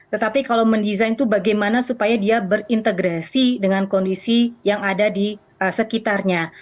tetapi kalau mendesain itu bagaimana supaya dia berintegrasi dengan kondisi yang ada di sekitarnya